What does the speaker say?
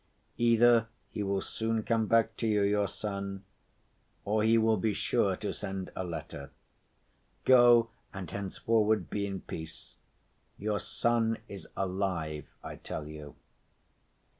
Either he will soon come back to you, your son, or he will be sure to send a letter. Go, and henceforward be in peace. Your son is alive, I tell you."